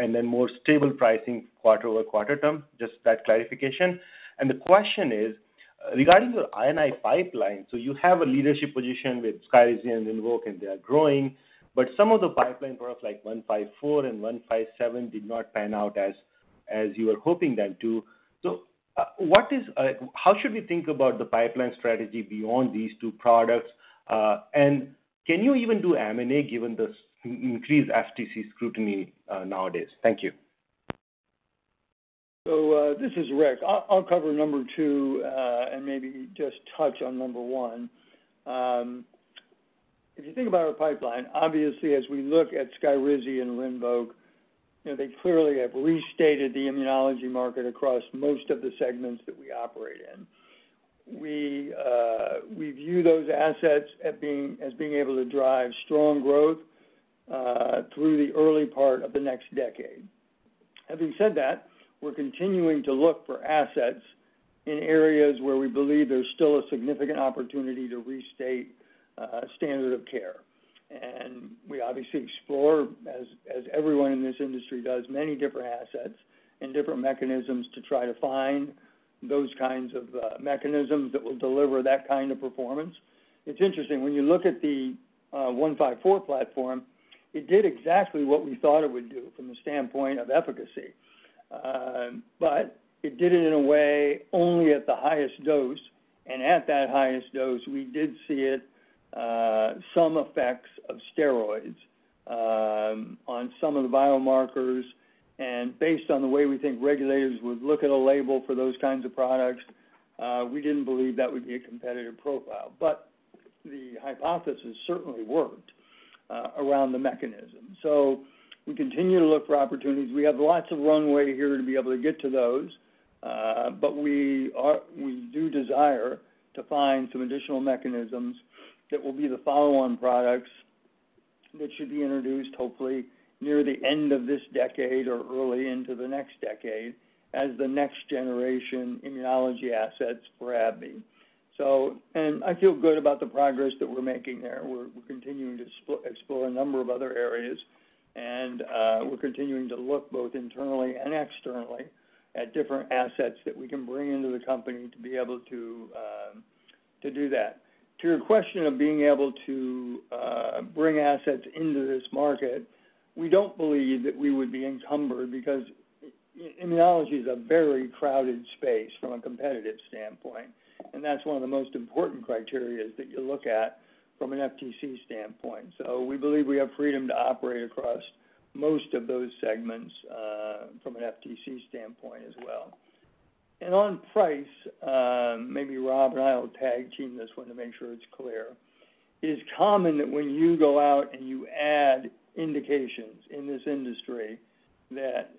and then more stable pricing quarter-over-quarter term? Just that clarification. The question is regarding your I&I pipeline, you have a leadership position with SKYRIZI and RINVOQ, and they are growing, but some of the pipeline products like ABBV-154 and ABBV-157 did not pan out as you were hoping them to. What is, how should we think about the pipeline strategy beyond these two products? Can you even do M&A given this increased FTC scrutiny nowadays? Thank you. This is Rick. I'll cover number two, and maybe just touch on number one. If you think about our pipeline, obviously as we look at SKYRIZI and RINVOQ, you know, they clearly have restated the immunology market across most of the segments that we operate in. We view those assets at being, as being able to drive strong growth, through the early part of the next decade. Having said that, we're continuing to look for assets in areas where we believe there's still a significant opportunity to restate a standard of care. We obviously explore as everyone in this industry does many different assets and different mechanisms to try to find those kinds of mechanisms that will deliver that kind of performance. It's interesting, when you look at the ABBV-154 platform, it did exactly what we thought it would do from the standpoint of efficacy. It did it in a way only at the highest dose. At that highest dose, we did see some effects of steroids on some of the biomarkers. Based on the way we think regulators would look at a label for those kinds of products, we didn't believe that would be a competitive profile. The hypothesis certainly worked around the mechanism. We continue to look for opportunities. We have lots of runway here to be able to get to those. We do desire to find some additional mechanisms that will be the follow-on products that should be introduced hopefully near the end of this decade or early into the next decade as the next generation immunology assets for AbbVie. I feel good about the progress that we're making there. We're continuing to explore a number of other areas, and we're continuing to look both internally and externally at different assets that we can bring into the company to be able to do that. To your question of being able to bring assets into this market, we don't believe that we would be encumbered because immunology is a very crowded space from a competitive standpoint, and that's one of the most important criterias that you look at from an FTC standpoint. We believe we have freedom to operate across most of those segments from an FTC standpoint as well. On price, maybe Rob and I will tag team this one to make sure it's clear. It is common that when you go out and you add indications in this industry that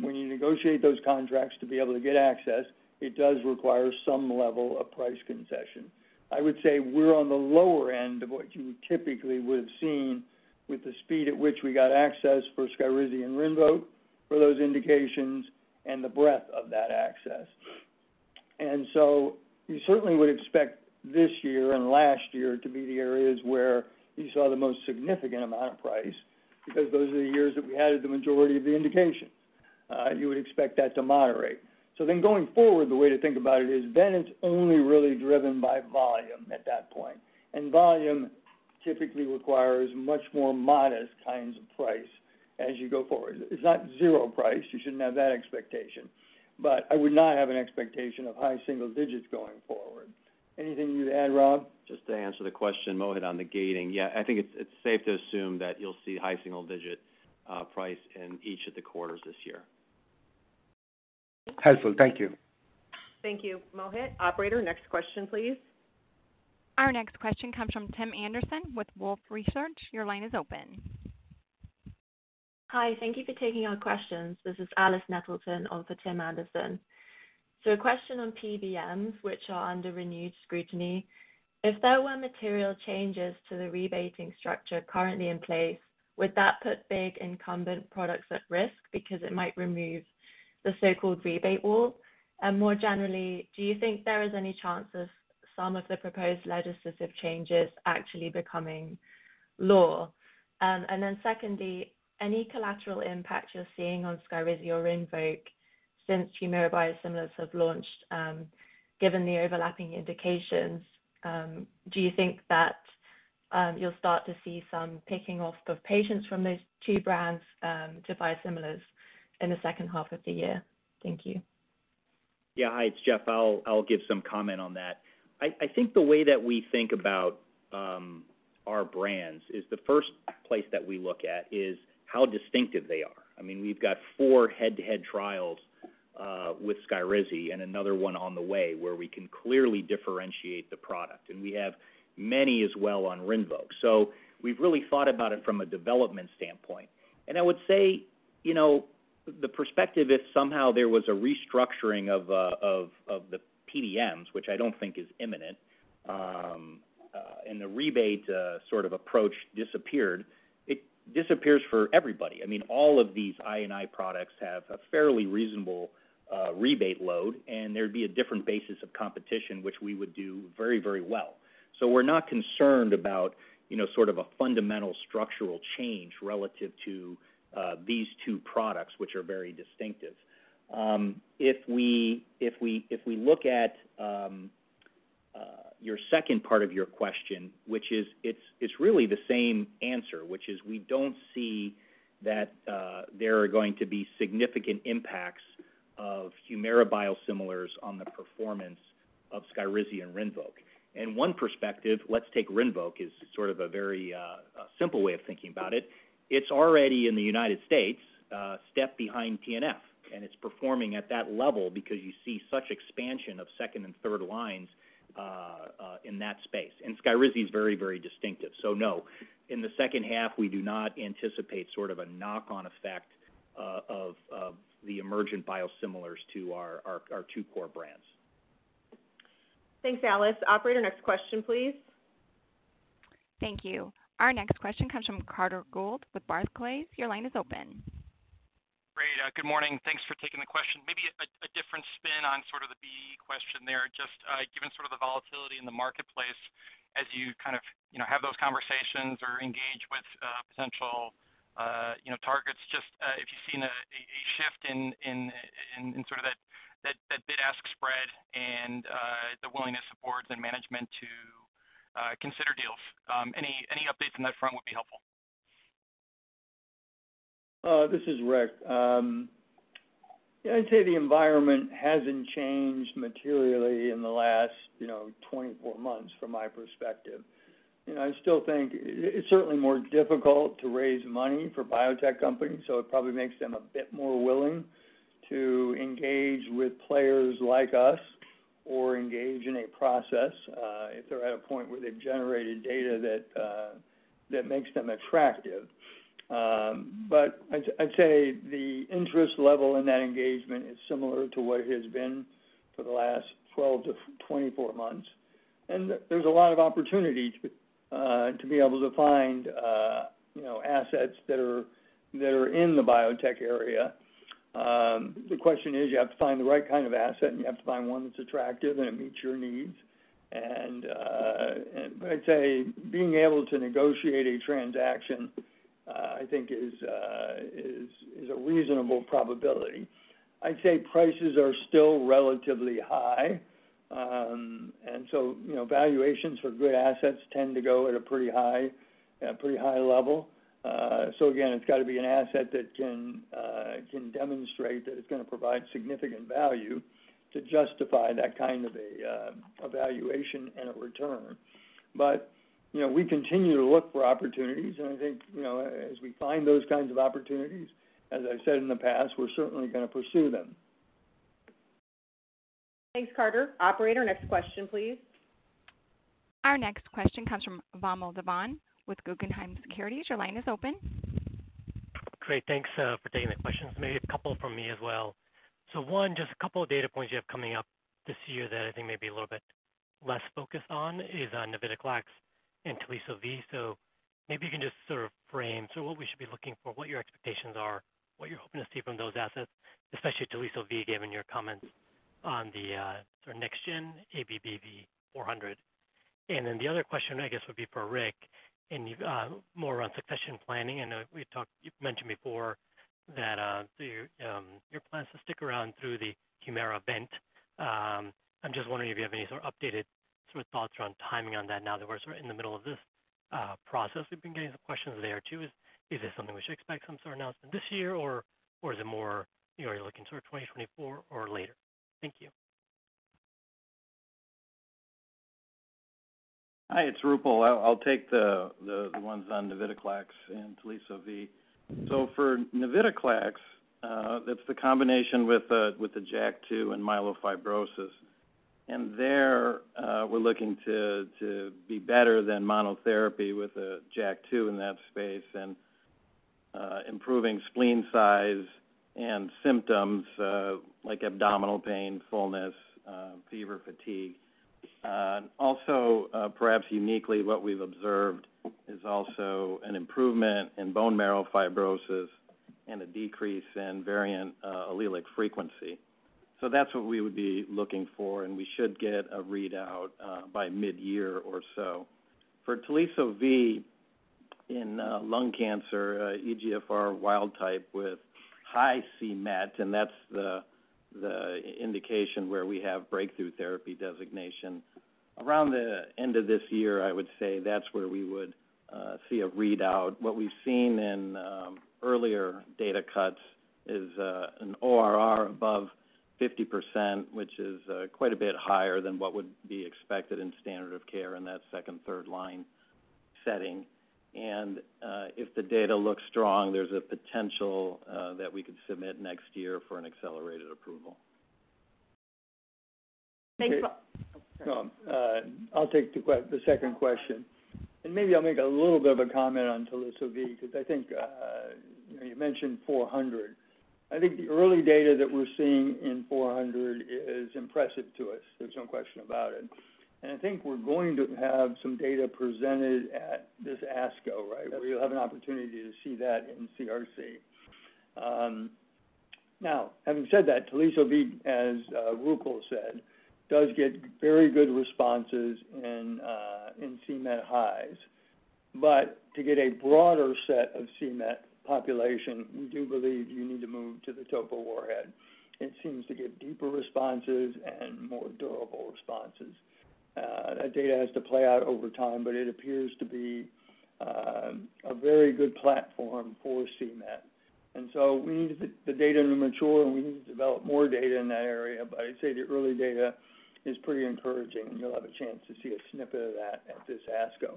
when you negotiate those contracts to be able to get access, it does require some level of price concession. I would say we're on the lower end of what you typically would have seen with the speed at which we got access for SKYRIZI and RINVOQ for those indications and the breadth of that access. You certainly would expect this year and last year to be the areas where you saw the most significant amount of price because those are the years that we added the majority of the indication. You would expect that to moderate. Going forward, the way to think about it is then it's only really driven by volume at that point, and volume. Typically requires much more modest kinds of price as you go forward. It's not zero price. You shouldn't have that expectation. I would not have an expectation of high single digits going forward. Anything you'd add, Rob? Just to answer the question, Mohit, on the gating. Yeah, I think it's safe to assume that you'll see high single digit, price in each of the quarters this year. Helpful. Thank you. Thank you, Mohit. Operator, next question, please. Our next question comes from Tim Anderson with Wolfe Research. Your line is open. Hi. Thank you for taking our questions. This is Alice Nettleton over Tim Anderson. A question on PBMs, which are under renewed scrutiny. If there were material changes to the rebating structure currently in place, would that put big incumbent products at risk because it might remove the so-called rebate wall? More generally, do you think there is any chance of some of the proposed legislative changes actually becoming law? Secondly, any collateral impact you're seeing on SKYRIZI or RINVOQ since HUMIRA biosimilars have launched, given the overlapping indications, do you think that you'll start to see some picking off of patients from those two brands to biosimilars in the second half of the year? Thank you. Yeah. Hi, it's Jeff. I'll give some comment on that. I think the way that we think about our brands is the first place that we look at is how distinctive they are. I mean, we've got 4 head-to-head trials with SKYRIZI and another one on the way where we can clearly differentiate the product, and we have many as well on RINVOQ. We've really thought about it from a development standpoint. I would say, you know, the perspective, if somehow there was a restructuring of the PBMs, which I don't think is imminent, and the rebate sort of approach disappeared, it disappears for everybody. I mean, all of these I&I products have a fairly reasonable rebate load, and there'd be a different basis of competition, which we would do very, very well. We're not concerned about, you know, sort of a fundamental structural change relative to these two products, which are very distinctive. If we look at your second part of your question, which is it's really the same answer, which is we don't see that there are going to be significant impacts of HUMIRA biosimilars on the performance of SKYRIZI and RINVOQ. One perspective, let's take RINVOQ, is sort of a very simple way of thinking about it. It's already in the United States, step behind TNF, and it's performing at that level because you see such expansion of second and third lines in that space. SKYRIZI is very, very distinctive. No, in the second half, we do not anticipate sort of a knock-on effect, of the emergent biosimilars to our 2 core brands. Thanks, Alice. Operator, next question, please. Thank you. Our next question comes from Carter Gould with Barclays. Your line is open. Great. Good morning. Thanks for taking the question. Maybe a different spin on sort of the BE question there. Just given sort of the volatility in the marketplace as you kind of, you know, have those conversations or engage with potential, you know, targets, if you've seen a shift in sort of that bid-ask spread and the willingness of boards and management to consider deals. Any updates on that front would be helpful. This is Rick. Yeah, I'd say the environment hasn't changed materially in the last 24 months from my perspective. I still think it's certainly more difficult to raise money for biotech companies, it probably makes them a bit more willing to engage with players like us or engage in a process if they're at a point where they've generated data that makes them attractive. I'd say the interest level in that engagement is similar to what it has been for the last 12-24 months. There's a lot of opportunity to be able to find assets that are in the biotech area. The question is, you have to find the right kind of asset, and you have to find one that's attractive and it meets your needs. I'd say being able to negotiate a transaction, I think is a reasonable probability. I'd say prices are still relatively high. You know, valuations for good assets tend to go at a pretty high level. Again, it's got to be an asset that can demonstrate that it's gonna provide significant value to justify that kind of a valuation and a return. You know, we continue to look for opportunities, and I think, you know, as we find those kinds of opportunities, as I said in the past, we're certainly gonna pursue them. Thanks, Carter. Operator, next question, please. Our next question comes from Vamil Divan with Guggenheim Securities. Your line is open. Great. Thanks for taking the questions. Maybe a couple from me as well. One, just a couple of data points you have coming up this year that I think may be a little bit less focused on is on navitoclax and Teliso-V. Maybe you can just sort of frame what we should be looking for, what your expectations are, what you're hoping to see from those assets, especially Teliso-V, given your comments on the sort of next gen ABBV-400. The other question, I guess, would be for Rick, and you've more around succession planning. I know you've mentioned before that your plans to stick around through the HUMIRA event. I'm just wondering if you have any sort of updated sort of thoughts around timing on that now that we're sort of in the middle of this? Process. We've been getting some questions there, too. Is this something we should expect some sort of announcement this year or is it more, you know, are you looking toward 2024 or later? Thank you. Hi, it's Roopal. I'll take the ones on navitoclax and Teliso-V. For navitoclax, that's the combination with the JAK2 and myelofibrosis. There, we're looking to be better than monotherapy with a JAK2 in that space and improving spleen size and symptoms, like abdominal pain, fullness, fever, fatigue. Also, perhaps uniquely what we've observed is also an improvement in bone marrow fibrosis and a decrease in variant allelic frequency. That's what we would be looking for, and we should get a readout by midyear or so. For Teliso-V in lung cancer, EGFR wild type with high c-Met, and that's the indication where we have breakthrough therapy designation. Around the end of this year, I would say that's where we would see a readout. What we've seen in earlier data cuts is an ORR above 50%, which is quite a bit higher than what would be expected in standard of care in that second, third line setting. If the data looks strong, there's a potential that we could submit next year for an accelerated approval. Thanks, Ru-. No, I'll take the second question, maybe I'll make a little bit of a comment on Teliso-V because I think you mentioned 400. I think the early data that we're seeing in 400 is impressive to us. There's no question about it. I think we're going to have some data presented at this ASCO, right? Where you'll have an opportunity to see that in CRC. Now, having said that, Teliso-V, as Roopal said, does get very good responses in c-Met highs. To get a broader set of c-Met population, we do believe you need to move to the topo warhead. It seems to give deeper responses and more durable responses. That data has to play out over time, but it appears to be a very good platform for c-Met. We need the data to mature, and we need to develop more data in that area. I'd say the early data is pretty encouraging, and you'll have a chance to see a snippet of that at this ASCO.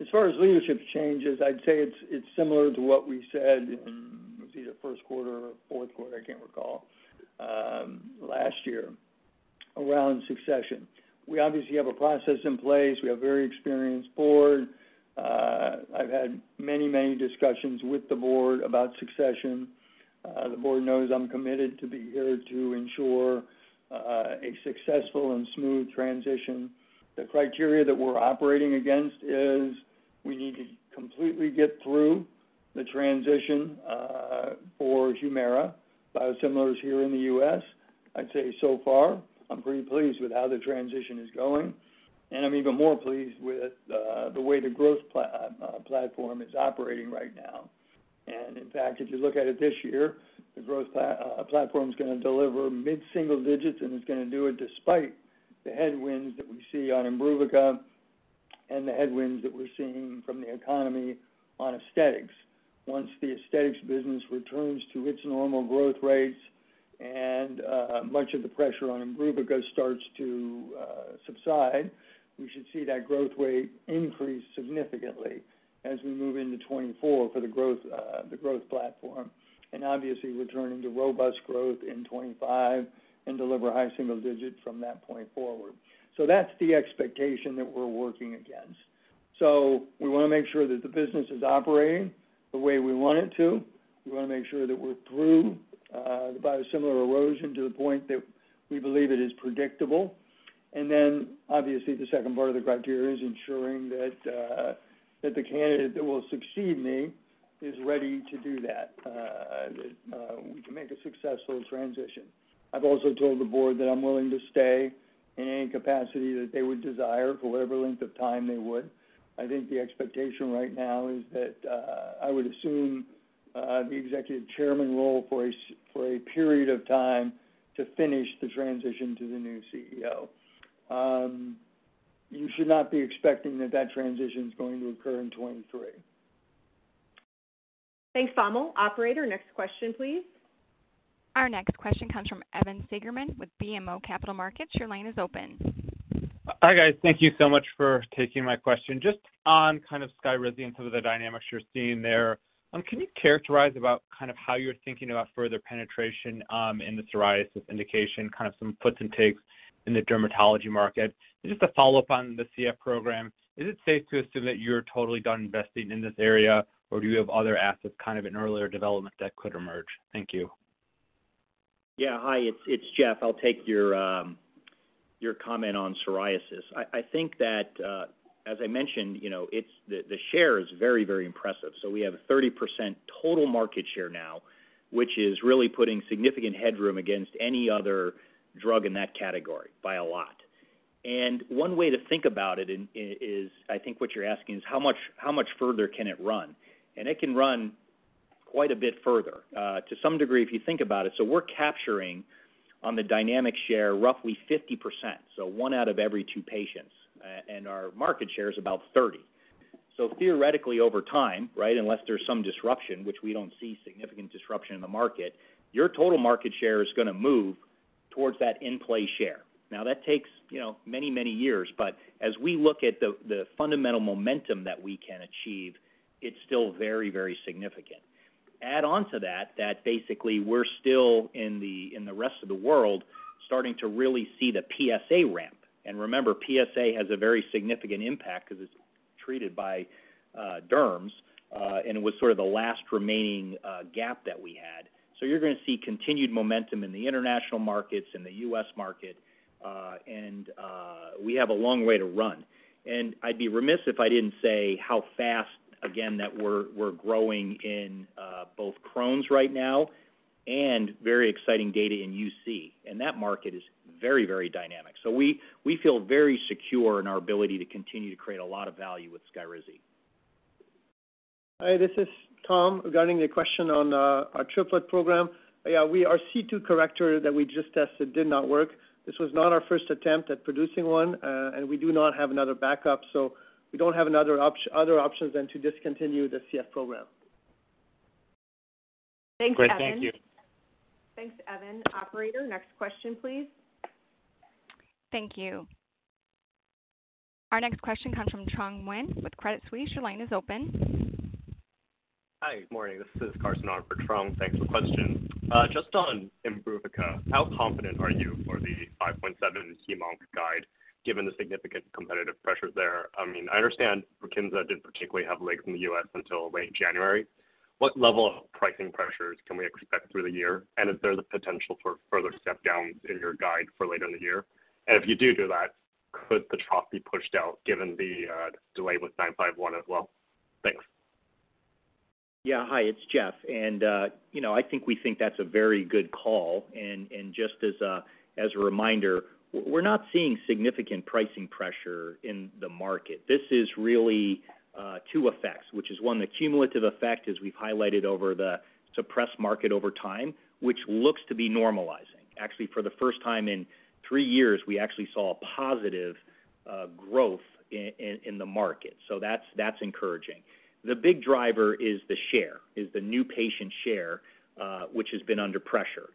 As far as leadership changes, I'd say it's similar to what we said in, it was either first quarter or fourth quarter, I can't recall, last year around succession. We obviously have a process in place. We have a very experienced board. I've had many discussions with the board about succession. The board knows I'm committed to be here to ensure a successful and smooth transition. The criteria that we're operating against is we need to completely get through the transition for HUMIRA biosimilars here in the U.S. I'd say so far, I'm pretty pleased with how the transition is going, and I'm even more pleased with the way the growth platform is operating right now. In fact, if you look at it this year, the growth platform's gonna deliver mid-single digits, and it's gonna do it despite the headwinds that we see on IMBRUVICA and the headwinds that we're seeing from the economy on aesthetics. Once the aesthetics business returns to its normal growth rates and much of the pressure on IMBRUVICA starts to subside, we should see that growth rate increase significantly as we move into 2024 for the growth platform. Obviously, returning to robust growth in 2025 and deliver high single digits from that point forward. That's the expectation that we're working against. We wanna make sure that the business is operating the way we want it to. We wanna make sure that we're through the biosimilar erosion to the point that we believe it is predictable. Obviously, the second part of the criteria is ensuring that the candidate that will succeed me is ready to do that, we can make a successful transition. I've also told the board that I'm willing to stay in any capacity that they would desire for whatever length of time they would. I think the expectation right now is that I would assume the executive chairman role for a period of time to finish the transition to the new CEO. You should not be expecting that that transition is going to occur in 2023. Thanks, Vamil. Operator, next question, please. Our next question comes from Evan Seigerman with BMO Capital Markets. Your line is open. Hi, guys. Thank you so much for taking my question. Just on kind of SKYRIZI and some of the dynamics you're seeing there, can you characterize about kind of how you're thinking about further penetration in the psoriasis indication, kind of some puts and takes in the dermatology market? Just a follow-up on the CF program, is it safe to assume that you're totally done investing in this area, or do you have other assets kind of in earlier development that could emerge? Thank you. Yeah. Hi, it's Jeff. I'll take your comment on psoriasis. I think that, as I mentioned, you know, the share is very, very impressive. We have a 30% total market share now, which is really putting significant headroom against any other drug in that category by a lot. One way to think about it is, I think what you're asking is how much further can it run? It can run Quite a bit further. To some degree, if you think about it, we're capturing on the dynamic share roughly 50%, so one out of every two patients, and our market share is about 30%. Theoretically over time, right, unless there's some disruption, which we don't see significant disruption in the market, your total market share is gonna move towards that in-play share. That takes, you know, many, many years, but as we look at the fundamental momentum that we can achieve, it's still very, very significant. Add on to that basically we're still in the rest of the world, starting to really see the PSA ramp. Remember, PSA has a very significant impact 'cause it's treated by derms, and it was sort of the last remaining gap that we had. You're gonna see continued momentum in the international markets, in the U.S. market, and we have a long way to run. I'd be remiss if I didn't say how fast, again, that we're growing in both Crohn's right now and very exciting data in UC, and that market is very, very dynamic. We feel very secure in our ability to continue to create a lot of value with SKYRIZI. Hi, this is Tom. Regarding the question on, our triplet program. Yeah, we are C2 corrector that we just tested did not work. This was not our first attempt at producing one, and we do not have another backup, so we don't have another other options than to discontinue the CF program. Thanks, Evan. Great. Thank you. Thanks, Evan. Operator, next question, please. Thank you. Our next question comes from Trung Huynh with Credit Suisse. Your line is open. Hi. Good morning. This is Carson on for Trung. Thanks for question. Just on IMBRUVICA, how confident are you for the 5.7 key monk guide given the significant competitive pressures there? I mean, I understand BRUKINSA did particularly have legs in the U.S. until late January. What level of pricing pressures can we expect through the year? Is there the potential for further step down in your guide for later in the year? If you do that, could the trough be pushed out given the delay with 951 as well? Thanks. Yeah. Hi, it's Jeff. You know, I think we think that's a very good call. And just as a reminder, we're not seeing significant pricing pressure in the market. This is really two effects, which is one, the cumulative effect as we've highlighted over the suppressed market over time, which looks to be normalizing. Actually, for the first time in three years, we actually saw a positive growth in the market. That's encouraging. The big driver is the new patient share, which has been under pressure.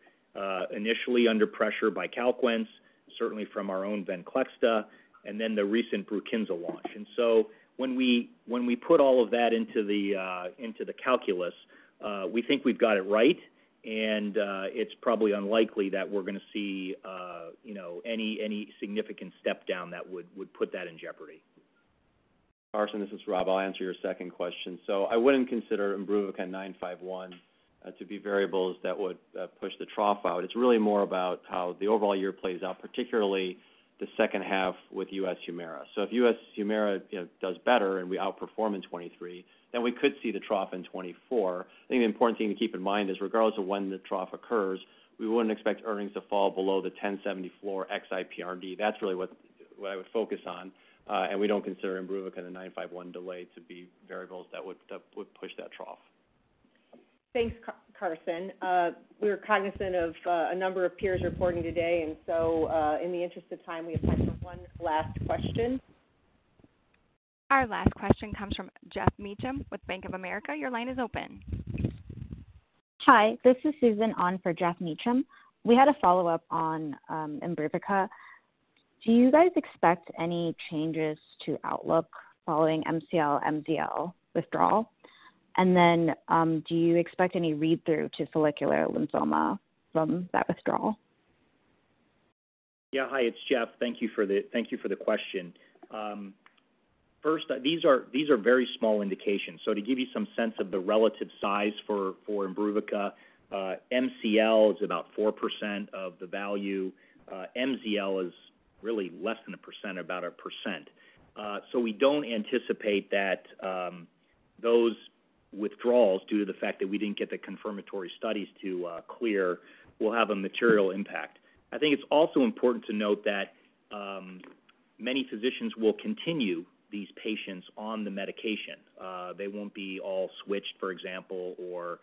Initially under pressure by CALQUENCE, certainly from our own VENCLEXTA, and then the recent BRUKINSA launch. When we put all of that into the into the calculus, we think we've got it right, and it's probably unlikely that we're gonna see, you know, any significant step down that would put that in jeopardy. Carson, this is Rob. I'll answer your second question. I wouldn't consider IMBRUVICA 951 to be variables that would push the trough out. It's really more about how the overall year plays out, particularly the second half with US HUMIRA. If US HUMIRA, you know, does better and we outperform in 2023, then we could see the trough in 2024. I think the important thing to keep in mind is regardless of when the trough occurs, we wouldn't expect earnings to fall below the $10.74 ex IPRD. That's really what I would focus on, and we don't consider IMBRUVICA and the 951 delay to be variables that would push that trough. Thanks, Carson. we're cognizant of a number of peers reporting today. in the interest of time, we have time for one last question. Our last question comes from Geoff Meacham with Bank of America. Your line is open. Hi. This is Susan on for Geoff Meacham. We had a follow-up on IMBRUVICA. Do you guys expect any changes to outlook following MCL, MZL withdrawal? Do you expect any read-through to follicular lymphoma from that withdrawal? Hi, it's Jeff. Thank you for the question. First, these are very small indications. To give you some sense of the relative size for IMBRUVICA, MCL is about 4% of the value. MZL is really less than 1%, about 1%. We don't anticipate that those withdrawals, due to the fact that we didn't get the confirmatory studies to clear, will have a material impact. I think it's also important to note that many physicians will continue these patients on the medication. They won't be all switched, for example, or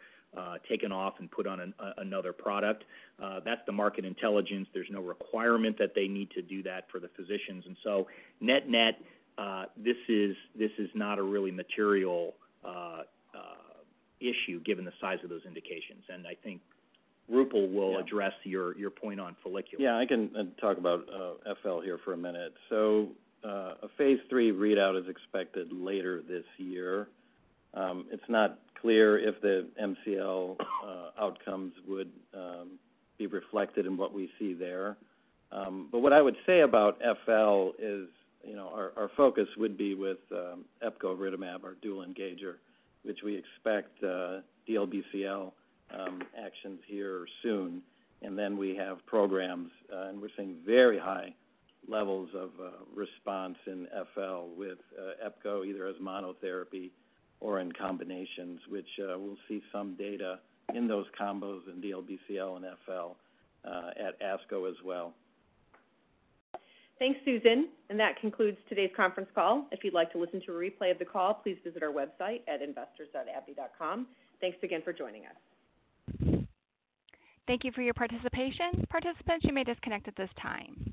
taken off and put on another product. That's the market intelligence. There's no requirement that they need to do that for the physicians. Net-net, this is not a really material issue given the size of those indications. I think Roopal will address your point on follicular. I can talk about FL here for a minute. A Phase III readout is expected later this year. It's not clear if the MCL outcomes would be reflected in what we see there. But what I would say about FL is, you know, our focus would be with epcoritamab, our dual engager, which we expect DLBCL actions here soon. We have programs and we're seeing very high levels of response in FL with epco, either as monotherapy or in combinations, which we'll see some data in those combos in DLBCL and FL at ASCO as well. Thanks, Susan. That concludes today's conference call. If you'd like to listen to a replay of the call, please visit our website at investors.AbbVie.com. Thanks again for joining us. Thank you for your participation. Participants, you may disconnect at this time.